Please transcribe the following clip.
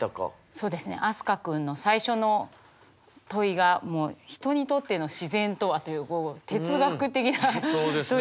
そうですね飛鳥君の最初の問いがもう「人にとっての自然とは？」というこう哲学的な問いから始まって。